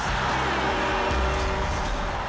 เจ้าเกมที่จะพามา